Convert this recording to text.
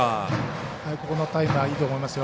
このタイムはいいと思いますよ。